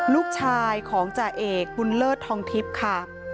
ลูกชายของจ่าเอกบุญเลิศทองทิพย์ค่ะ